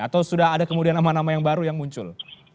atau sudah ada kemudian nama nama yang baru yang muncul